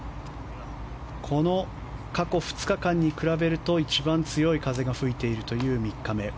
この過去２日間に比べると一番強い風が吹いている３日目。